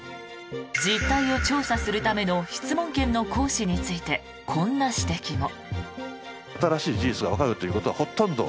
実態を調査するための質問権の行使についてこんな指摘も。